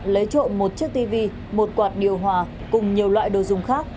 lấy trộm một chiếc tv một quạt điều hòa cùng nhiều loại đồ dùng khác